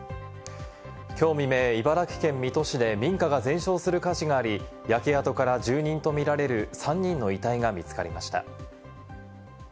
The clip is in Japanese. きょう未明、茨城県水戸市で民家が全焼する火事があり、焼け跡から住人とみられる３人の遺体が見つかりました。